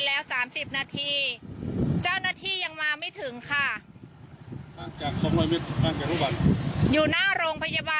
แล้วมาช่วยเจ้าหน้าที่ใส่ชุดแบบนี้มาหรอคะ